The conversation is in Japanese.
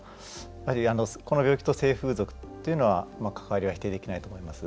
やはり、この病気と性風俗の関わりは否定できないと思います。